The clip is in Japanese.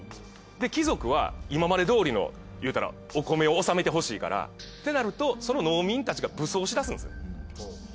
貴族は今までどおりの言うたらお米を納めてほしいからってなるとその農民たちが武装し出すんですよ。